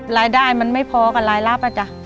รายได้มันไม่พอกับรายรับอ่ะจ๊ะ